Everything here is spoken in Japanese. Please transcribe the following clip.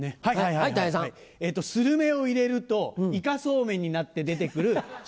するめを入れるとイカそうめんになって出て来るシュレッダー。